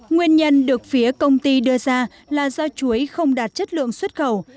nguyên nhân được phía công ty đưa ra là do chuối không đạt chất lượng xuất khẩu